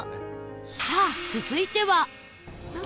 さあ続いては